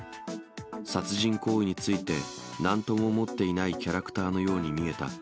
殺人行為について、なんとも思っていないキャラクターのように見えた。